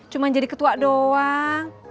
cuma jadi ketua doang